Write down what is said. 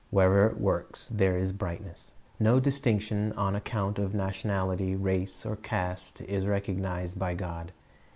Wherever it works, there is brightness. No distinction on account of nationality, race, or caste, is recognized by God.